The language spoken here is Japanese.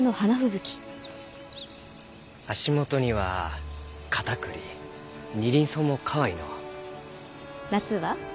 足元にはカタクリニリンソウもかわいいのう。夏は？